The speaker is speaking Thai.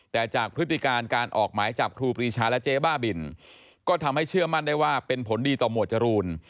แต่จากพฤติการการออกหมายจับครูปรีชาและเจ๊บ้าบินก็ทำให้เชื่อมั่นได้ว่าเป็นผลดีต่อหมวดจรูน